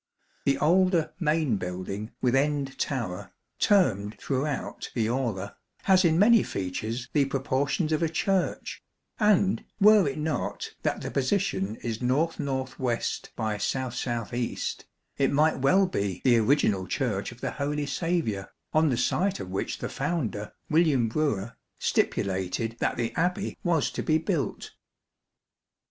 The older main building with end tower, termed throughout the aula, has in many features the proportions of a Church, and, were it not that the position is N.N.W. by S.S.E., it might well be the original Church of the Holy Saviour, on the site of which the founder, William Brewer, stipulated that the Abbey was to be built.